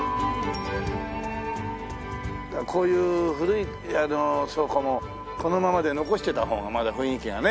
こういう古い倉庫もこのままで残してた方がまた雰囲気がね。